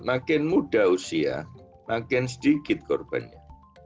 makin muda usia makin sedikit korbannya